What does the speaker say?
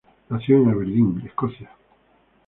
Nació en Aberdeen, Escocia.